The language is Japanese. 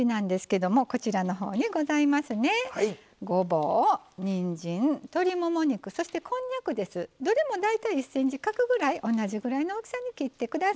どれも大体１ｃｍ角ぐらい同じぐらいの大きさに切って下さい。